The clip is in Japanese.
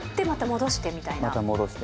また戻してみたいな。